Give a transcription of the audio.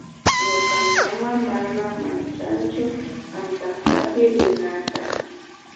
Ñuka mama mana manchanchu antankapi rinata